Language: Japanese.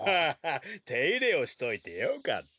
ッていれをしといてよかった。